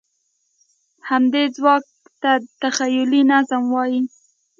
همدې ځواک ته تخیلي نظم وایي.